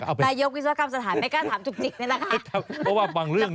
นายยบวิศวกรรมสถานไม่กล้าถามจุกติกเลยนะคะ